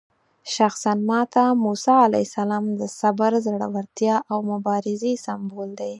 شخصاً ماته موسی علیه السلام د صبر، زړورتیا او مبارزې سمبول دی.